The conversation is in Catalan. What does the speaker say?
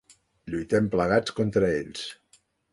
Lluitem plegats contra ells.